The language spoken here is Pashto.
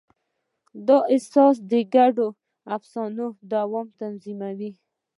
دا احساس د ګډو افسانو دوام تضمینوي.